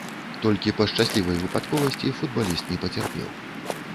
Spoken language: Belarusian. Толькі па шчаслівай выпадковасці футбаліст не пацярпеў.